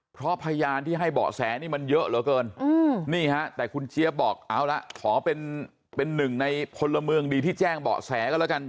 เพราะพยานที่ให้เบาะแสนี่มันเยอะเหลือเกินนี่ฮะแต่คุณเจี๊ยบบอกเอาละขอเป็นหนึ่งในพลเมืองดีที่แจ้งเบาะแสก็แล้วกัน